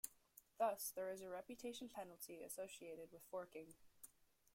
Thus, there is a reputation penalty associated with forking.